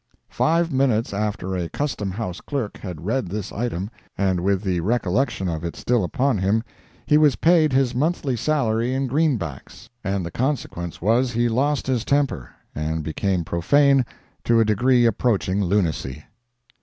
Five minutes after a Custom House clerk had read this item, and with the recollection of it still upon him, he was paid his monthly salary in greenbacks, and the consequence was he lost his temper, and became profane to a degree approaching lunacy.